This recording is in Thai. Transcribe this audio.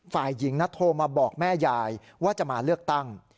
ฝ่ายหญิงโทรมาบอกแม่ยายว่าจะมาเลือกตั้ง